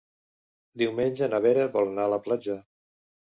Diumenge na Vera vol anar a la platja.